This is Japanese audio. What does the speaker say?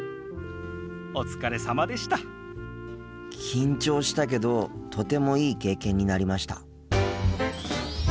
緊張したけどとてもいい経験になりました。